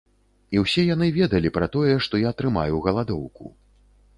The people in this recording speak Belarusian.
І ўсе яны ведалі пра тое, што я трымаю галадоўку.